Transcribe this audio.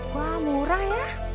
wah murah ya